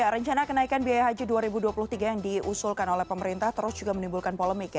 rencana kenaikan biaya haji dua ribu dua puluh tiga yang diusulkan oleh pemerintah terus juga menimbulkan polemik